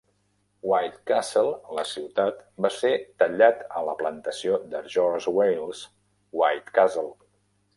White Castle, la ciutat, va ser tallat a la plantació de George Wailes, "White Castle".